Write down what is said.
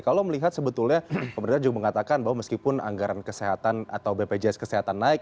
kalau melihat sebetulnya pemerintah juga mengatakan bahwa meskipun anggaran kesehatan atau bpjs kesehatan naik